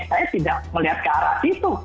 saya tidak melihat ke arah situ